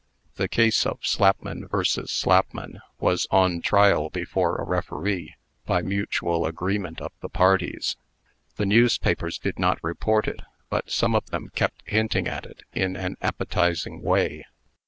The case of Slapman vs. Slapman was on trial before a referee, by mutual agreement of the parties. The newspapers did not report it; but some of them kept hinting at it in an appetizing way.